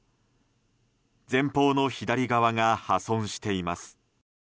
前方の左側が破損しています。